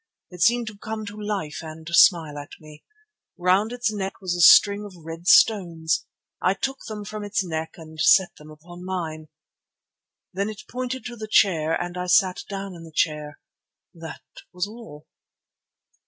It seemed to come to life and smile at me. Round its neck was a string of red stones. It took them from its neck and set them upon mine. Then it pointed to the chair, and I sat down in the chair. That was all."